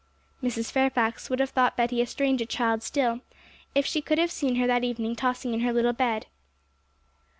"' Mrs. Fairfax would have thought Betty a stranger child still, if she could have seen her that evening tossing in her little bed.